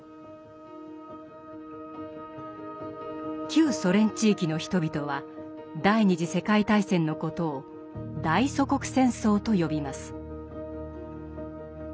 旧ソ連地域の人々は第二次世界大戦のことを「大祖国戦争」と呼びます。